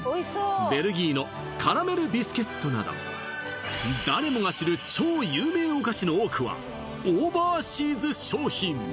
ベルギーのカラメルビスケットなど誰もが知る超有名お菓子の多くはオーバーシーズ商品